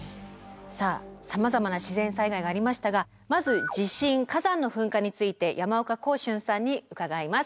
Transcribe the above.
さあさまざまな自然災害がありましたがまず地震火山の噴火について山岡耕春さんに伺います。